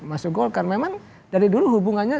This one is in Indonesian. masuk golkar memang dari dulu hubungannya